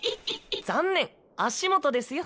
残念足元ですよ。